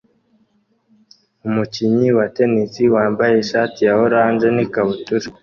Umukinnyi wa tennis wambaye ishati ya orange n'ikabutura